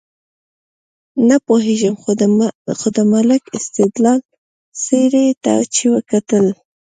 نه پوهېږم خو د ملک سیدلال څېرې ته چې وکتل.